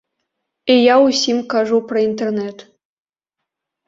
І я ўсім кажу пра інтэрнэт.